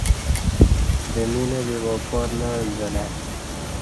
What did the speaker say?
دمی نہ بیبا پار نہ عنزہ لہ ای